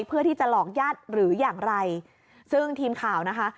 เพื่อที่จะหลอกญาติหรืออย่างไรซึ่งทีมข่าวนะคะ